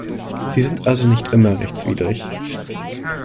Sie sind also nicht immer rechtswidrig.